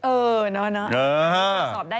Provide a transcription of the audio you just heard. เอิ่นน้อย